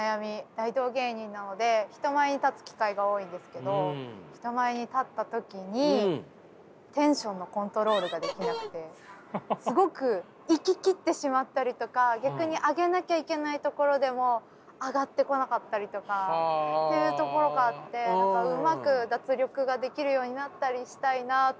大道芸人なので人前に立つ機会が多いんですけど人前に立った時にすごく行き切ってしまったりとか逆に上げなきゃいけないところでも上がってこなかったりとかっていうところがあってうまく脱力ができるようになったりしたいなと。